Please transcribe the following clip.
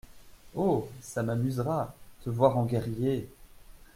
Oh ! ça m’amusera… te voir en guerrier….